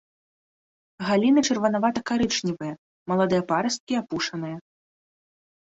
Галіны чырванавата-карычневыя, маладыя парасткі апушаныя.